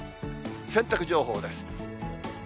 洗濯情報です。